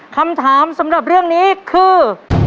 คำถามสำหรับเรื่องนี้คือ